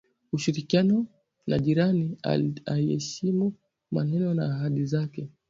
ushirikiano na jirani aiyeheshimu maneno na ahadi zake